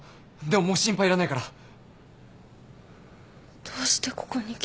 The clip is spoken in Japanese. でももう心配いらないから。どうしてここに来たの？